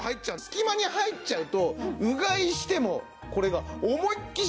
隙間に入っちゃうとうがいしてもこれが思いっきり振ってもほら。